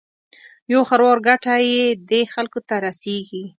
یو خروار ګټه یې دې خلکو ته رسېږي.